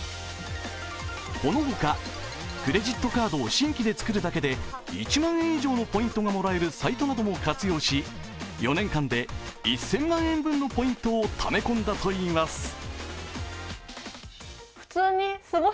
このほかクレジットカードを新規で作るだけで１万円以上のポイントがもらえるサイトなども活用し、４年間で１０００万円分のポイントをため込んだといいます。